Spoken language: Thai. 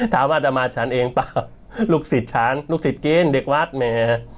ถามว่าจะมาฉันเองเปล่าลูกศิษย์ฉันลูกศิษย์กินเด็กวัดแหม